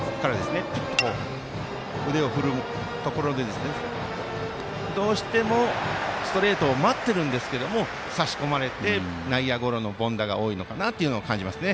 ぴゅっと腕を振るところでどうしてもストレートを待ってるんですけども差し込まれて内野ゴロの凡打が多いのかなと感じますね。